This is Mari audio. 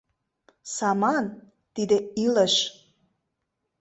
— Саман — тиде илыш.